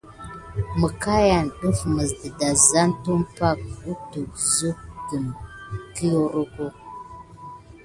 Məkayan yane def mis dedazan tumpay kutu suck kim kirore.